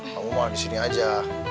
pak umar disini aja